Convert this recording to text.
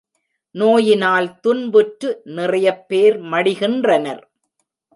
நோயினால் துன்புற்று நிறையப்பேர் மடிகின்றனர்.